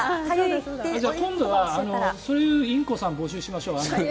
今度はそういうインコさん募集しましょう。